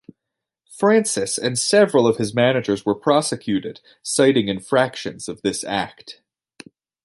Francis and several of his managers were prosecuted, citing infractions of this act.